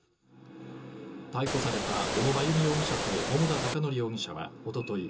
逮捕された小野真由美容疑者と桃田貴徳容疑者はおととい